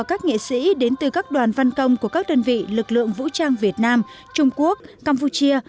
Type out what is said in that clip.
các nghệ sĩ đến từ các đoàn văn công của các đơn vị lực lượng vũ trang việt nam trung quốc campuchia